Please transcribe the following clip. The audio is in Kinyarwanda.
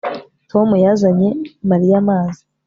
Tom yazanye Mariya amazi